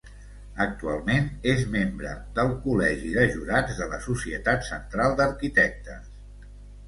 Actualment és membre del Col·legi de Jurats de la Societat Central d'Arquitectes.